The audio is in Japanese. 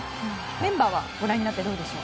メンバーをご覧になってどうでしょう？